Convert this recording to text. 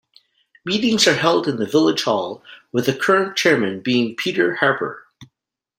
Meetings are held in the village hall, with the current chairman being Peter Harper.